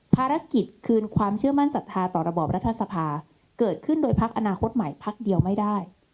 ภารกิจคืนความเชื่อมั่นศรัทธาต่อระบอบรัฐสภาเกิดขึ้นโดยพักอนาคตใหม่พักเดียวไม่ได้